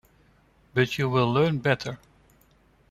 But you will learn better.